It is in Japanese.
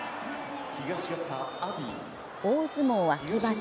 大相撲秋場所